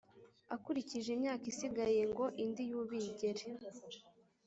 akurikije imyaka isigaye ngo indi Yubile igere